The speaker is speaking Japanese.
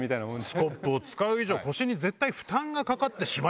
スコップを使う以上腰に絶対負担がかかってしまいます。